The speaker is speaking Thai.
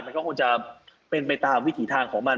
มันก็คงจะเป็นไปตามวิถีทางของมัน